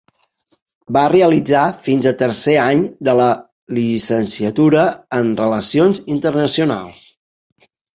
Va realitzar fins a tercer any de la Llicenciatura en Relacions Internacionals.